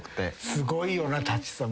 すごいよな舘さん。